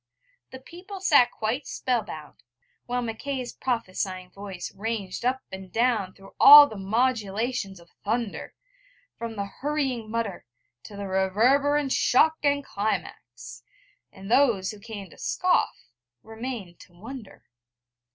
The people sat quite spell bound, while Mackay's prophesying voice ranged up and down through all the modulations of thunder, from the hurrying mutter to the reverberant shock and climax: and those who came to scoff remained to wonder.